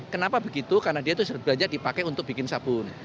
kenapa begitu karena dia itu belanja dipakai untuk bikin sabun